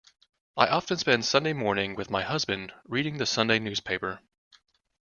I often spend Sunday morning with my husband, reading the Sunday newspaper